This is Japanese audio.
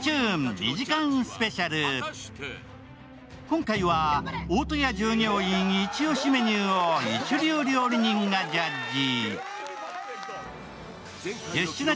今回は、大戸屋従業員イチ押しメニューを一流料理人がジャッジ。